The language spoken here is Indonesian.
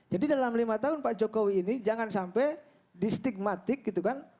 jadi dalam lima tahun pak jokowi ini jangan sampai di stigmatik gitu kan